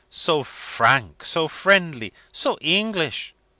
"So frank, so friendly, so English!"